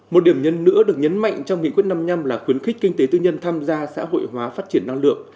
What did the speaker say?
một điểm nhấn nữa được nhấn mạnh trong nghị quyết năm mươi năm là khuyến khích kinh tế tư nhân tham gia xã hội hóa phát triển năng lượng